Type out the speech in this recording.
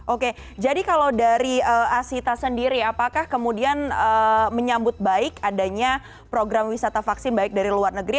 oke jadi kalau dari asita sendiri apakah kemudian menyambut baik adanya program wisata vaksin baik dari luar negeri